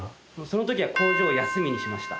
その時は工場を休みにしました。